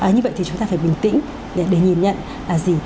như vậy thì chúng ta phải bình tĩnh để nhìn nhận là gì